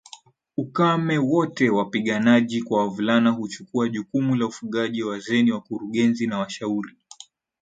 ukame wote wapiganaji kwa wavulana huchukua jukumu la ufugaji Wazee ni wakurugenzi na washauri